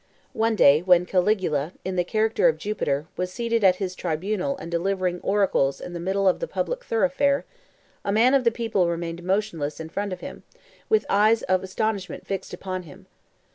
One day, when Caligula, in the character of Jupiter, was seated at his tribunal and delivering oracles in the middle of the public thoroughfare, a man of the people remained motionless in front of him, with eyes of astonishment fixed upon him.